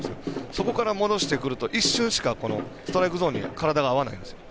そこから戻してくると一瞬しかストライクゾーンに体が合わないんですよ。